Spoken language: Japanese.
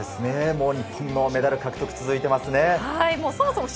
日本のメダル獲得、続いていますね。